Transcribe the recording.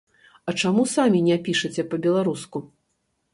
А чаму самі не пішаце па-беларуску?